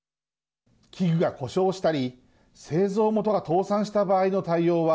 器具が故障したり製造元が倒産した場合の対応は